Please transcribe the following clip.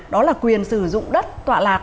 đó là quyền sử dụng đất tọa lạc